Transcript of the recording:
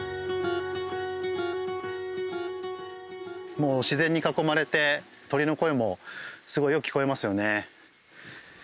もう自然に囲まれて鳥の声もすごいよく聞こえますよね。